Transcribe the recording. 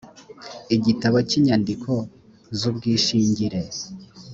igitabo cy inyandiko z ubwishingire